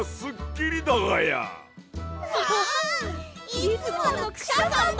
いつものクシャさんだ。